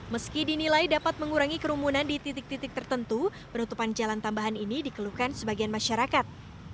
meski dinilai dapat mengurangi kerumunan di titik titik tertentu penutupan jalan tambahan ini dikeluhkan sebagian masyarakat